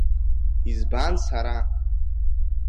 Избан сара?